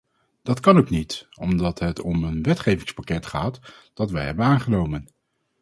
Dat kan ook niet, omdat het om een wetgevingspakket gaat dat wij hebben aangenomen.